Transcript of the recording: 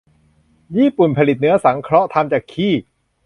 ญี่ปุ่นผลิตเนื้อสังเคราะห์ ทำจากขี้